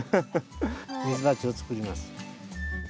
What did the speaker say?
水鉢を作ります。